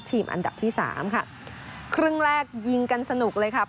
อันดับที่สามค่ะครึ่งแรกยิงกันสนุกเลยครับ